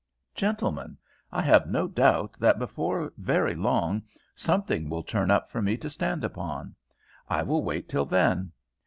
Gentlemen, I have no doubt that before very long something will turn up for me to stand upon. I will wait till then.